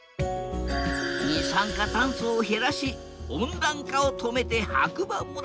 二酸化酸素を減らし温暖化を止めて白馬村を守りたい。